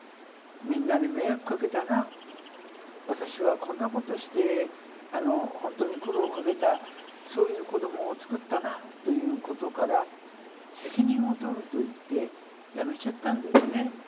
みんなに迷惑かけたな私はこんなことしてほんとに苦労をかけたそういう子どもをつくったなということから責任を取ると言って辞めちゃったんですね。